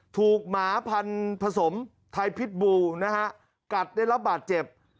หมาพันธุ์ผสมไทยพิษบูนะฮะกัดได้รับบาดเจ็บ